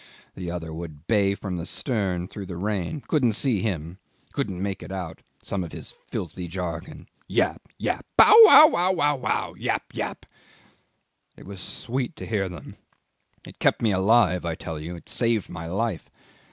The other would bay from the stern through the rain couldn't see him couldn't make it out some of his filthy jargon. Yap! yap! Bow ow ow ow ow! Yap! yap! It was sweet to hear them; it kept me alive, I tell you. It saved my life.